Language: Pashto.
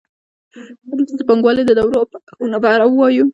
دلته د پانګوالۍ د دورو او پړاوونو په اړه وایو